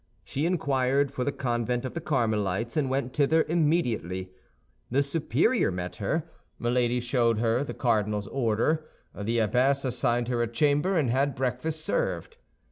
She inquired for the convent of the Carmelites, and went thither immediately. The superior met her; Milady showed her the cardinal's order. The abbess assigned her a chamber, and had breakfast served.